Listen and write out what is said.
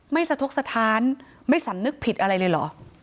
สะทกสถานไม่สำนึกผิดอะไรเลยเหรอ